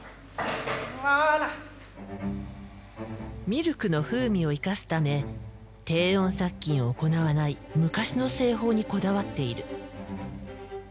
ミルクの風味を生かすため低温殺菌を行わない昔の製法にこだわっている。